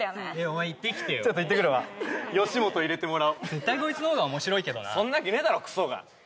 お前行ってきてよちょっと行ってくるわ吉本入れてもらおう絶対こいつのほうが面白いけどなそんなわけねえだろクソが！